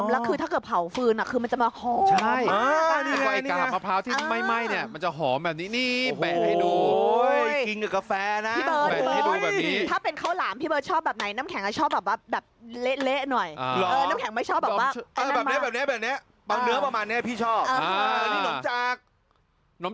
แล้วคือถ้าเกิดเผาฟื้นอ่ะคือมันจะมาหอม